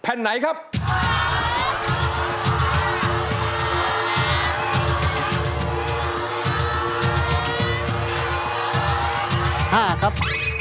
เอาละครับ